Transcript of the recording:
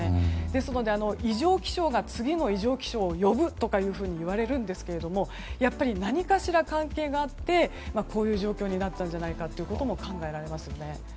ですので異常気象が次の異常気象を呼ぶといわれるんですがやっぱり何かしら関係があってこういう状況になったんじゃないかとも考えられますね。